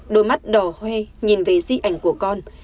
đôi mắt đỏ hue nhìn về di ảnh của con